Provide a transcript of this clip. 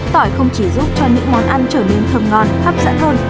tỏi không chỉ giúp cho những món ăn trở nên thơm ngon hấp dẫn hơn